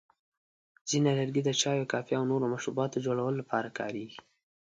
ځینې لرګي د چایو، کافي، او نورو مشروباتو جوړولو لپاره کارېږي.